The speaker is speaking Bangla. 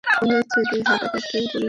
ভয় হচ্ছে যে হার্ট অ্যাটাক করেই মারা যাবো!